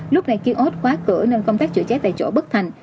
lúc này kia ốt khóa cửa nên công tác chữa cháy tại chỗ bất thành